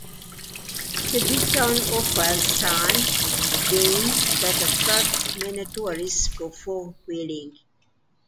The beach town offers sand dunes that attract many tourists for four wheeling.